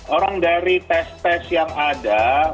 orang dari tes tes yang ada